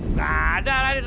gak ada raden